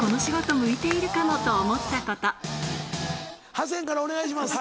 ハセンからお願いします。